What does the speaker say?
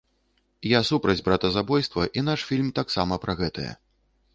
Я супраць братазабойства, і наш фільм таксама пра гэтае.